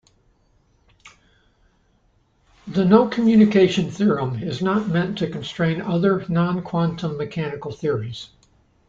The no-communication theorem is not meant to constrain other, non-quantum-mechanical theories.